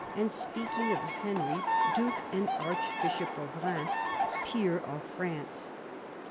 and speaking of Henry, duke and archbishop of Bheims, peer of France.